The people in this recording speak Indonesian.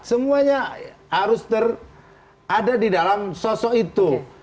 semuanya harus ada di dalam sosok itu